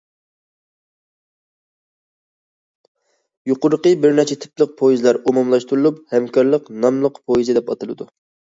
يۇقىرىقى بىرنەچچە تىپلىق پويىزلار ئومۇملاشتۇرۇلۇپ‹‹ ھەمكارلىق›› ناملىق پويىز دەپ ئاتىلىدۇ.